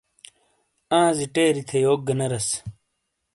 آنزی ٹیری تھے یوک گا نہ رَس۔